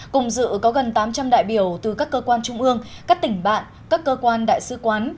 cùng dự có gần tám trăm linh đại biểu từ các cơ quan trung ương các tỉnh bạn các cơ quan đại sứ quán